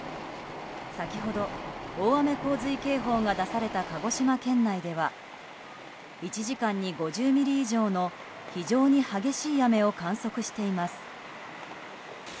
先ほど、大雨・洪水警報が出された鹿児島県内では１時間に５０ミリ以上の非常に激しい雨を観測しています。